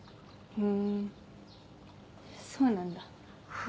「ふんそうなんだ」